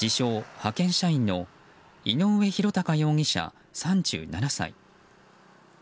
・派遣社員の井上弘貴容疑者、３７歳。